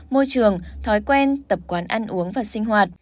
môi trường thói quen tập quán ăn uống và sinh hoạt